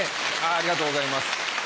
ありがとうございます。